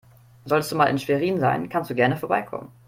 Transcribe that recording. Solltest du mal in Schwerin sein, kannst du gerne vorbeikommen.